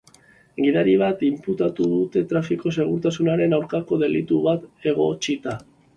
Gidari bat inputatu dute trafiko segurtasunaren aurkako delitu bat egotzita.